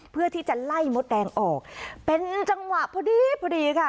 เพื่อที่จะไล่มดแดงออกเป็นจังหวะพอดีพอดีค่ะ